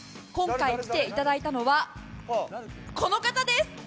今回来ていただいたのはこの方です！